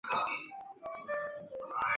张玉法幼时生长于山东峄县。